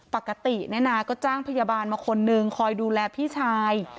ปกติเนี่ยนะก็จ้างพยาบาลมาคนนึงคอยดูแลพี่ชาย